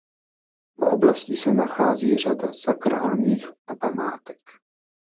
V oblasti se nachází řada sakrálních památek.